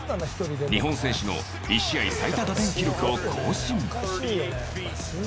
日本選手の１試合最多打点記録を更新。